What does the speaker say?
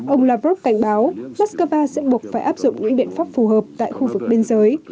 ông lavrov cảnh báo moscow sẽ buộc phải áp dụng những biện pháp phù hợp tại khu vực biên giới